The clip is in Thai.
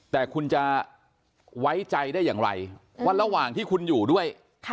แต่คุณจะไว้ใจได้อย่างไรว่าระหว่างที่คุณอยู่ด้วย